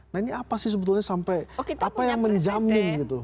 nah ini apa sih sebetulnya sampai apa yang menjamin gitu